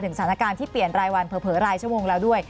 สถานการณ์ที่เปลี่ยนรายวันเผลอรายชั่วโมงแล้วด้วย